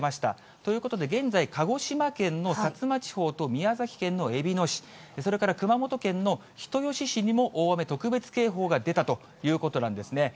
ということで、現在、鹿児島県の薩摩地方と宮崎県のえびの市、それから熊本県の人吉市にも大雨特別警報が出たということなんですね。